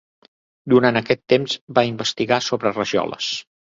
Durant aquest temps, va investigar sobre rajoles.